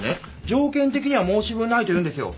条件的には申し分ないと言うんですよ。